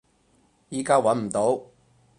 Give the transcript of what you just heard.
依家揾唔到